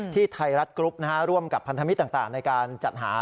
ไทยรัฐกรุ๊ปร่วมกับพันธมิตรต่างในการจัดหา